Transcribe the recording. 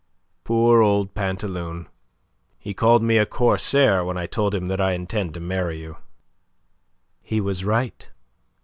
Poor old Pantaloon! He called me a corsair when I told him that I intend to marry you." "He was right.